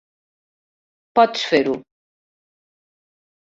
Pots fer-ho.